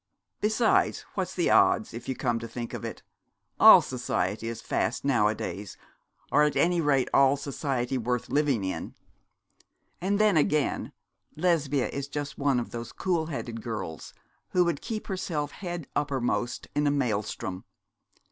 Besides what's the odds, if you come to think of it? all society is fast nowadays, or at any rate all society worth living in. And then again, Lesbia is just one of those cool headed girls who would keep herself head uppermost in a maelstrom.